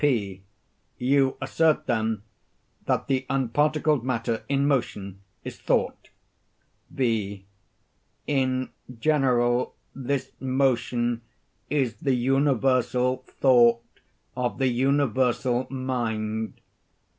P. You assert, then, that the unparticled matter, in motion, is thought? V. In general, this motion is the universal thought of the universal mind.